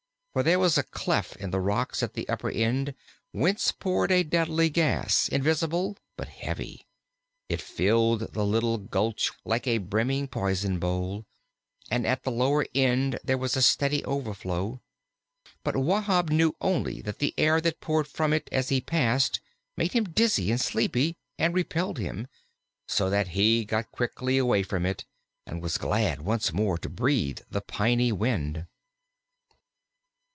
For there was a cleft in the rocks at the upper end, whence poured a deadly gas; invisible but heavy, it filled the little gulch like a brimming poison bowl, and at the lower end there was a steady overflow. But Wahb knew only that the air that poured from it as he passed made him dizzy and sleepy, and repelled him, so that he got quickly away from it and was glad once more to breathe the piny wind.